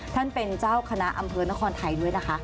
ท่านเป็นเจ้าคณะอำเภอนครไทยด้วยนะคะ